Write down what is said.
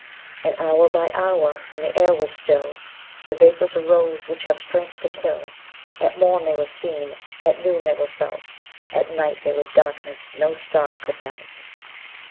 And hour by hour, when the air was still, _70 The vapours arose which have strength to kill; At morn they were seen, at noon they were felt, At night they were darkness no star could melt.